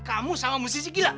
kamu sama musisi gila